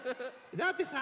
だってさ